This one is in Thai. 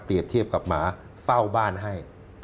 เปรียบเทียบกับหมาเฝ้าบ้านให้